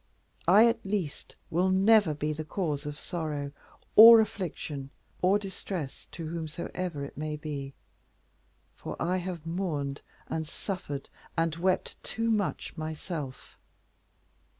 I, at least, will never be the cause of sorrow, or affliction, or distress to whomsoever it may be, for I have mourned and suffered, and wept too much myself."